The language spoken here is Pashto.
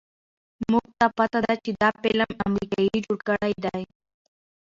مونږ ته پته ده چې دا فلم امريکې جوړ کړے دے